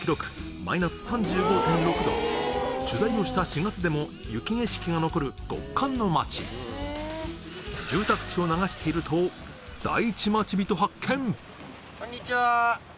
マイナス３５．６℃取材をした４月でも雪景色が残る極寒の町住宅地を流しているとはい。